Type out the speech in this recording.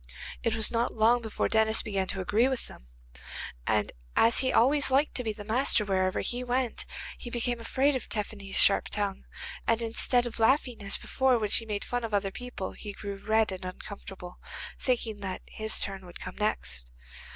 It was not long before Denis began to agree with them, and as he always liked to be master wherever he went, he became afraid of Tephany's sharp tongue, and instead of laughing as before when she made fun of other people he grew red and uncomfortable, thinking that his turn would come next.